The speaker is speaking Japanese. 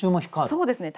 そうですね。